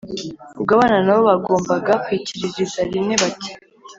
ubwo abana nabo bagombaga kwikiririza rimwe bati”